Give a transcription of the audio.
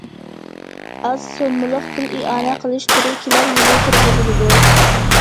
ئاز سوممىلىق پۇل ئىئانە قىلىش تۈرى كېلەر يىلى تۇرغۇزۇلىدۇ.